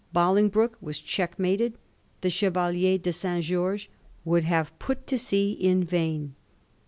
Bolingbroke was checkmated ; the Chevalier de St. George would have put to sea in vain.